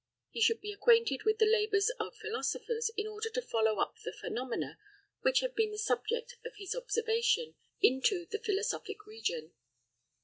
He should be acquainted with the labours of philosophers, in order to follow up the phenomena which have been the subject of his observation, into the philosophic region.